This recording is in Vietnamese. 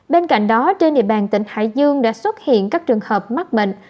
bên cạnh đó trên địa bàn tỉnh hải dương đã xuất hiện các trường hợp mắc bệnh